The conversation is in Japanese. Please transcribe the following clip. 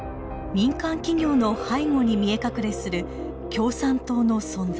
民間企業の背後に見え隠れする共産党の存在。